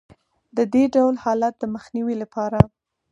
د دې ډول حالت د مخنیوي لپاره